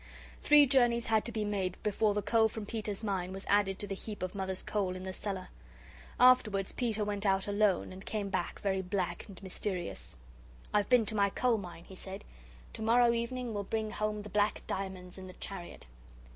Three journeys had to be made before the coal from Peter's mine was added to the heap of Mother's coal in the cellar. Afterwards Peter went out alone, and came back very black and mysterious. "I've been to my coal mine," he said; "to morrow evening we'll bring home the black diamonds in the chariot."